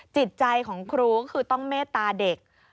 จิตใจของครูก็คือต้องเมตตาเด็ก